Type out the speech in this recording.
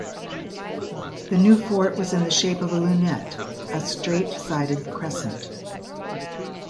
The new fort was in the shape of a lunette, a straight-sided crescent.